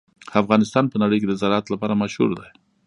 افغانستان په نړۍ کې د زراعت لپاره مشهور دی.